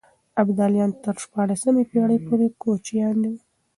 ابداليان تر شپاړسمې پېړۍ پورې کوچيان وو.